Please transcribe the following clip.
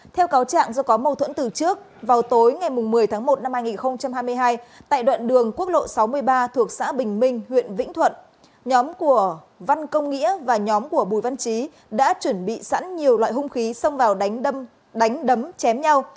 theo cáo trạng do có mâu thuẫn từ trước vào tối ngày một mươi tháng một năm hai nghìn hai mươi hai tại đoạn đường quốc lộ sáu mươi ba thuộc xã bình minh huyện vĩnh thuận nhóm của văn công nghĩa và nhóm của bùi văn trí đã chuẩn bị sẵn nhiều loại hung khí xông vào đánh đấm chém nhau